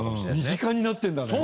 身近になってるんだね。